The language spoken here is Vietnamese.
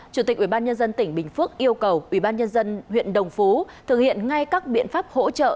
chủ tịch ubnd tỉnh bình phước yêu cầu ubnd huyện đồng phú thực hiện ngay các biện pháp hỗ trợ